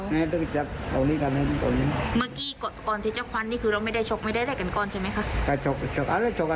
เมื่อกี้ก่อนที่เจ้าควันเราไม่ได้ช็อกไม่ได้กันก่อนใช่มั้ยค่ะ